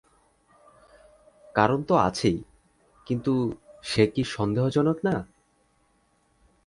কারণ তো আছেই, কিন্তু সে কি সন্দেহজনক না?